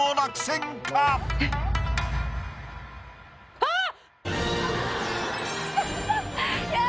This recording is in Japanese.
あっ！